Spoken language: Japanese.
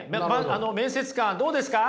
面接官どうですか？